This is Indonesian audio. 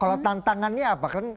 kalau tantangannya apa kan